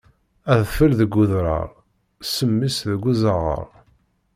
Adfel deg udrar, ssemm-is deg uẓaɣar.